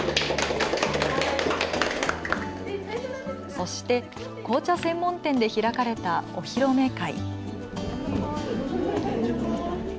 そして紅茶専門店で開かれたお披露目会。